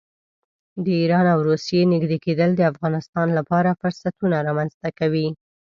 د ایران او روسیې نږدې کېدل د افغانستان لپاره فرصتونه رامنځته کوي.